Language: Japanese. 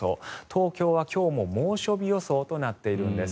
東京は今日も猛暑日予想となっているんです。